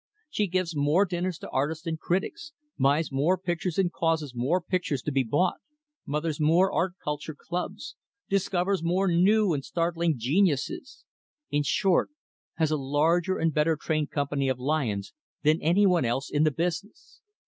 She gives more dinners to artists and critics; buys more pictures and causes more pictures to be bought; mothers more art culture clubs; discovers more new and startling geniuses; in short, has a larger and better trained company of lions than any one else in the business.